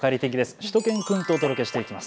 しゅと犬くんとお届けしていきます。